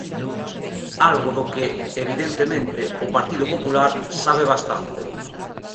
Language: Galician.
Algo do que, evidentemente, o Partido Popular sabe bastante.